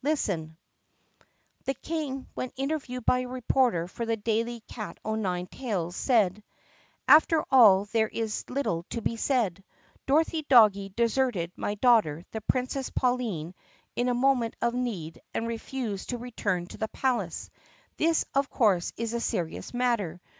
Listen: "The King, when interviewed by a reporter for The Daily Cat o' Nine Tales', said: " 'After all there is little to be said. Doggie Dorothy deserted my daughter, the Princess Pauline, in a moment of need and refused to return to the palace. This of course is a serious matter.